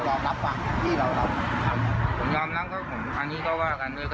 เรารอมรับฝั่งที่เรารอบ